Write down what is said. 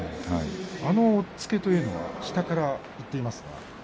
あの押っつけというのは下からといいますか。